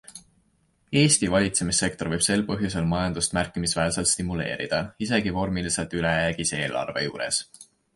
Eesti valitsemissektor võib sel põhjusel majandust märkimisväärselt stimuleerida isegi vormiliselt ülejäägis eelarve juures.